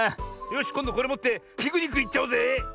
よしこんどこれもってピクニックいっちゃおうぜ！